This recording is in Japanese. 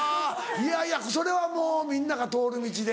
いやいやそれはもうみんなが通る道で。